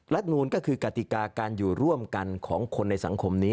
นูลก็คือกติกาการอยู่ร่วมกันของคนในสังคมนี้